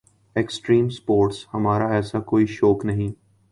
extreme sports ہمارا ایسا کوئی شوق نہیں